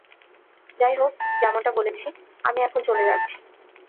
যাই হোক, যেমনটা বলেছি, আমি এখন চলে যাচ্ছি।